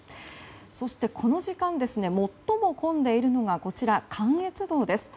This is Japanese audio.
そして、この時間最も混んでいるのが関越道です。